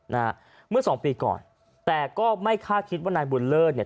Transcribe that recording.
นะฮะเมื่อสองปีก่อนแต่ก็ไม่คาดคิดว่านายบุญเลิศเนี่ย